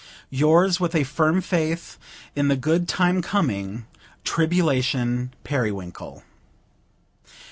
Yours, With a firm faith In the good time coming, TRIBULATION PERIWINKLE.